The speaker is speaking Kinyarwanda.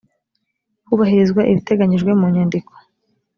hubahirizwa ibiteganyijwe mu nyandiko